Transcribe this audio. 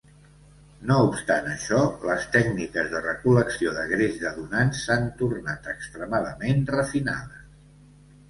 No obstant això, les tècniques de recol·lecció de greix de donants s'han tornat extremadament refinades.